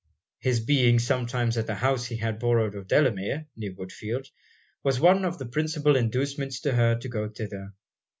His being sometimes at the house he had borrowed of Delamere, near Woodfield, was one of the principal inducements to her to go thither.